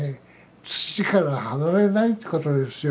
土から離れないってことですよ。